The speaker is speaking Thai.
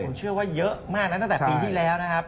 ผมเชื่อว่าเยอะมากนะตั้งแต่ปีที่แล้วนะครับ